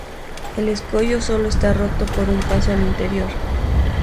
El escollo sólo está roto por un paso al interior.